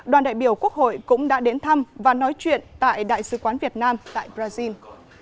đoàn đại biểu quốc hội cũng đã đến thăm và nói chuyện tại đại sứ quán việt nam tại brazil